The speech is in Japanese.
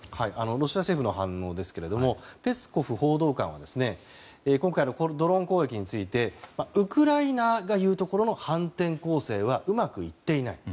ロシア政府の反応ですがペスコフ報道官は今回のドローン攻撃についてウクライナが言うところの反転攻勢はうまくいっていない。